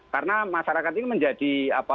karena masyarakat ini menjadi